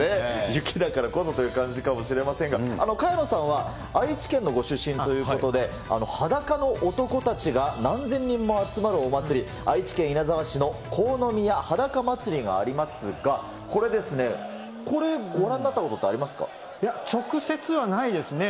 雪だからこそという感じかもしれませんが、萱野さんは愛知県のご出身ということで、裸の男たちが何千人も集まるお祭り、愛知県稲沢市の国府宮はだか祭がありますが、これですね、これ、いや、直接はないですね。